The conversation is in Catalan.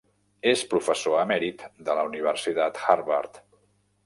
És professor emèrit de la Universitat Harvard.